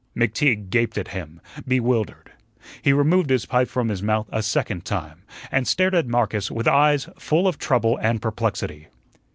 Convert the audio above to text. McTeague gaped at him, bewildered. He removed his pipe from his mouth a second time, and stared at Marcus with eyes full of trouble and perplexity.